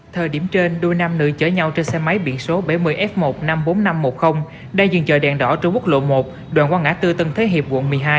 thời điểm trên đôi nam nữ chở nhau trên xe máy biển số bảy mươi f một trăm năm mươi bốn nghìn năm trăm một mươi đang dừng chờ đèn đỏ trên quốc lộ một đoạn qua ngã tư tân thế hiệp quận một mươi hai